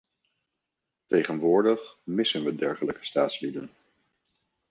Tegenwoordig missen we dergelijke staatslieden.